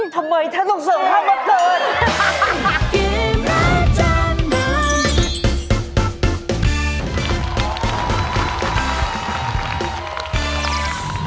ทำไมท่านต้องเสริมภาพมาเกิด